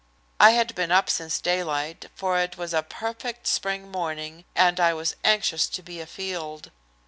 I had been up since daylight, for it was a perfect spring morning, and I was anxious to be afield.